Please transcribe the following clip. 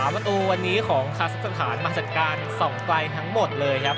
ประตูวันนี้ของคาซักสถานมาจัดการส่องไกลทั้งหมดเลยครับ